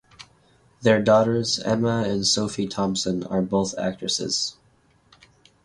Their daughters, Emma and Sophie Thompson, are both actresses.